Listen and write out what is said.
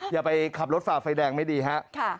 อย่าไปขับรถฝ่าไฟแดงไม่ดีฮะ